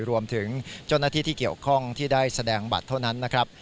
รวมถึงเจ้าหน้าที่ที่เกี่ยวข้องที่ได้แสดงบัตรเท่านั้นนะครับ